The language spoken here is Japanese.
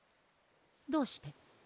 どうして？